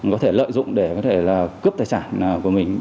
có thể lợi dụng để cướp tài sản của mình